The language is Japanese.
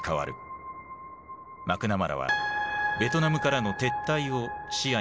マクナマラはベトナムからの撤退を視野に入れ始めていた。